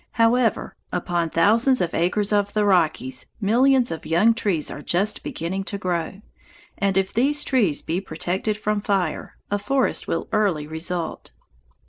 However, upon thousands of acres of the Rockies millions of young trees are just beginning to grow, and if these trees be protected from fire, a forest will early result.